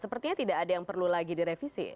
sepertinya tidak ada yang perlu lagi direvisi